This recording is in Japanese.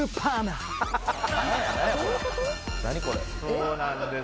そうなんです。